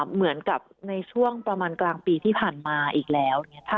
เหมือนกับในช่วงประมาณกลางปีที่ผ่านมาอีกแล้ว